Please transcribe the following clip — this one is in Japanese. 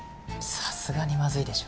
さすがにまずいでしょ。